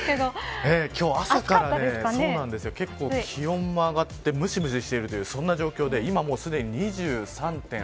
今日は朝から結構、気温も上がって、むしむししているという状況で今すでに２３．８度。